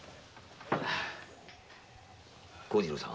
幸次郎さん